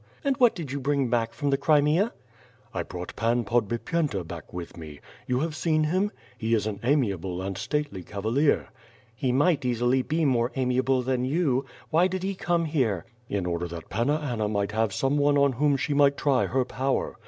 "And what did you bring back from the Crimea?" "I brought Pan Podbipycnta back with me. You have seen him? He is an amiable and stately cavalier." "He might easily be more amiable than you. Why did he come here?" "In order that Panna Anna might have some one on whom she might try her power.